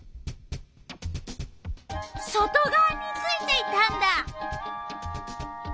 外がわについていたんだ！